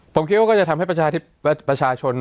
ผมคิดว่าก็จะทำให้ประชาชน